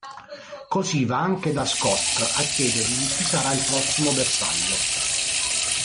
Così va anche da Scott a chiedergli chi sarà il prossimo bersaglio.